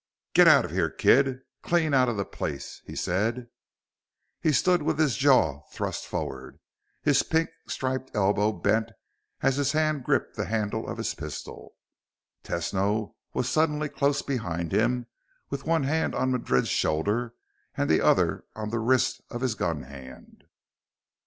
"Get out of here, kid! Clean out of the place," he said. He stood with his jaw thrust forward, his pink striped elbow bent as his hand gripped the handle of his pistol. Tesno was suddenly close behind him with one hand on Madrid's shoulder and the other on the wrist of his gun hand.